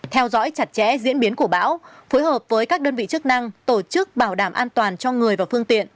theo dõi chặt chẽ diễn biến của bão phối hợp với các đơn vị chức năng tổ chức bảo đảm an toàn cho người và phương tiện